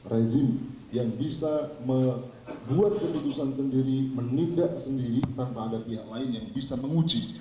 rezim yang bisa membuat keputusan sendiri menindak sendiri tanpa ada pihak lain yang bisa menguji